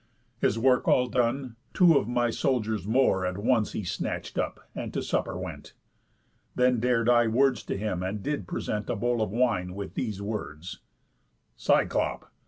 His work all done, two of my soldiers more At once he snatch'd up, and to supper went. Then dar'd I words to him, and did present A bowl of wine, with these words: 'Cyclop!